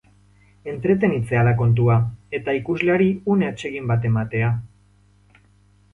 Entretenitzea da kontua, eta ikusleari une atsegin bat ematea.